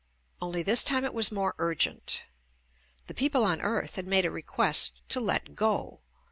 only this time it was more urg ent. The people on earth had made a request to "let go."